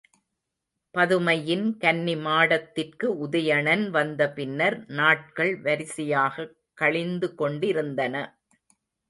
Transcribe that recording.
பதுமையின் கன்னிமாடத்திற்கு உதயணன் வந்த பின்னர் நாட்கள் வரிசையாகக் கழிந்து கொண்டிருந்தன.